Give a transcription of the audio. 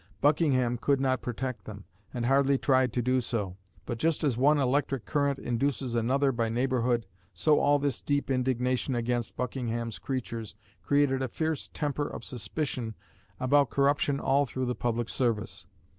Buckingham could not protect them, and hardly tried to do so. But just as one electric current "induces" another by neighbourhood, so all this deep indignation against Buckingham's creatures created a fierce temper of suspicion about corruption all through the public service.